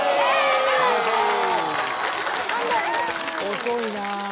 遅いな。